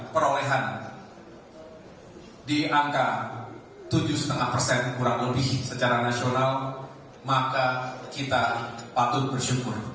perolehan di angka tujuh lima persen kurang lebih secara nasional maka kita patut bersyukur